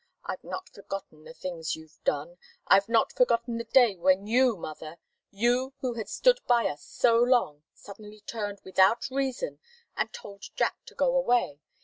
I've not forgotten the things you've done I've not forgotten the day when you, mother, you who had stood by us so long, suddenly turned without reason and told Jack to go away.